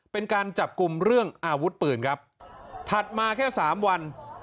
เป็นการจับกลุ่มเรื่องอาวุธปืนครับถัดมาแค่สามวัน